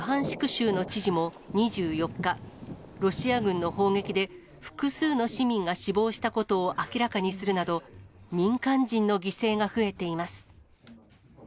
州の知事も２４日、ロシア軍の砲撃で複数の市民が死亡したことを明らかにするなど、民間人の犠牲が増えています。